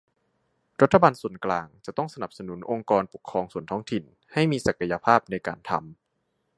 รัฐบาลส่วนกลางจะต้องสนับสนุนองค์กรปกครองส่วนท้องถิ่น ให้มีศักยภาพในการทำ